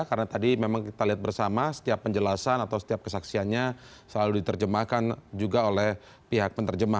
karena tadi memang kita lihat bersama setiap penjelasan atau setiap kesaksiannya selalu diterjemahkan juga oleh pihak penerjemah